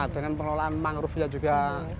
dengan pengelolaan mang rufia juga